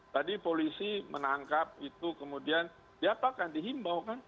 tadi polisi menangkap itu kemudian diapakan dihimbau kan